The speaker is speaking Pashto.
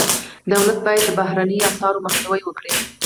دولت باید د بهرنیو اسعارو مخنیوی وکړي.